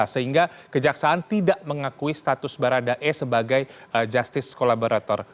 sehingga kejaksaan tidak mengakui status baradae sebagai justice collaborator